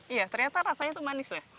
iya ternyata rasanya tuh manis ya